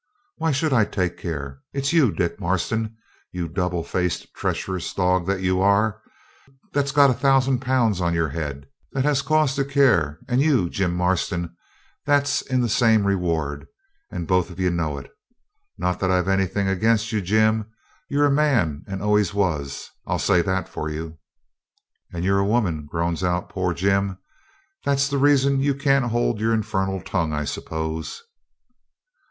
'Why should I take care? It's you, Dick Marston, you double faced treacherous dog that you are, that's got a thousand pounds on your head, that has cause to care, and you, Jim Marston, that's in the same reward, and both of you know it. Not that I've anything against you, Jim. You're a man, and always was. I'll say that for you.' 'And you're a woman,' groans out poor Jim. 'That's the reason you can't hold your infernal tongue, I suppose.'